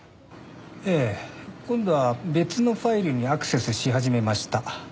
ええ。今度は別のファイルにアクセスし始めました。